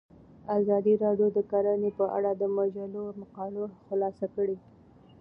ازادي راډیو د کرهنه په اړه د مجلو مقالو خلاصه کړې.